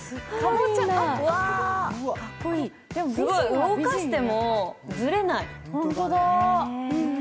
動かしてもずれない。